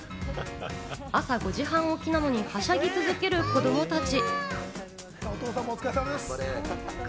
朝５時半起きなのにはしゃぎ続ける子供たち。